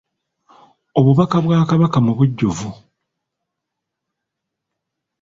Obubaka bwa Kabaka mu bujjuvu